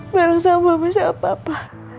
baru sama masih apa apa